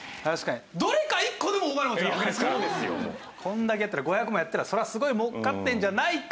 どれか１個でも大金持ちなわけですからこれだけやったら５００もやったらそりゃすごい儲かってるんじゃないか。